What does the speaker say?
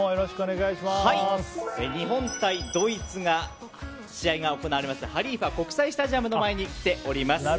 日本対ドイツの試合が行われるハリーファ国際スタジアムの前に来ております。